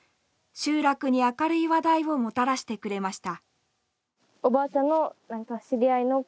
集落に明るい話題をもたらしてくれました。